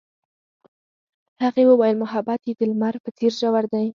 هغې وویل محبت یې د لمر په څېر ژور دی.